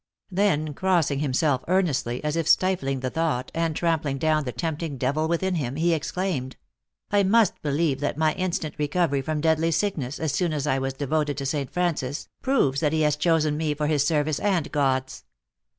Then, crossing himself earnestly, as if stifling the thought, and trampling down the tempting devil within him, he exclaimed, "I must believe that my instant re covery from deadly sickness as soon as I was devoted to St. Francis, proves that he has chosen me for his service and God s."